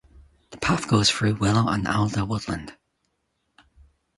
The path goes through willow and alder woodland.